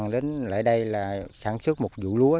đến lễ đây là sản xuất một vũ lúa